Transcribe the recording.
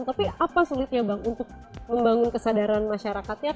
tapi apa sulitnya bang untuk membangun kesadaran masyarakatnya